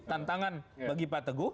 tantangan bagi pak teguh